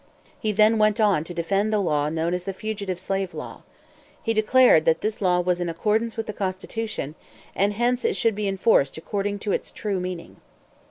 He then went on to defend the law known as the Fugitive Slave Law. He declared that this law was in accordance with the Constitution, and hence it should be enforced according to its true meaning.